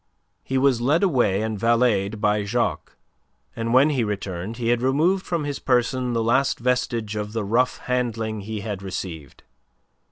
He was led away and valeted by Jacques, and when he returned he had removed from his person the last vestige of the rough handling he had received.